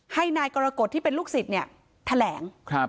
ให้นายกรกฎที่เป็นลูกศิษย์แถลง